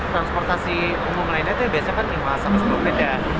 transportasi umum lainnya itu biasanya kan lima sepuluh menit